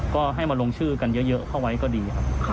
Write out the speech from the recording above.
ก็ให้มาลงชื่อกันเยอะเข้าไว้ก็ดีครับ